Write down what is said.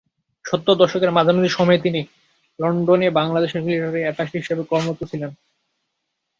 সত্তরের দশকের মাঝামাঝি সময়ে তিনি লন্ডনে বাংলাদেশের মিলিটারি অ্যাটাশে হিসেবে কর্মরত ছিলেন।